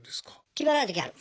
決まらないときある。